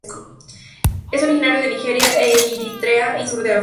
Es originario de Nigeria a Eritrea y sur de África.